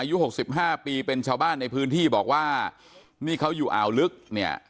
หกสิบห้าปีเป็นชาวบ้านในพื้นที่บอกว่านี่เขาอยู่อ่าวลึกเนี่ย